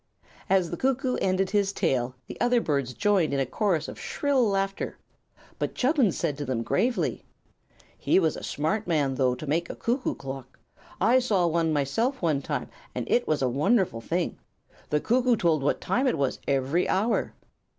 As the cuckoo ended his tale the other birds joined in a chorus of shrill laughter; but Chubbins said to them, gravely: "He was a smart man, though, to make a cuckoo clock. I saw one myself, one time, and it was a wonderful thing. The cuckoo told what time it was every hour."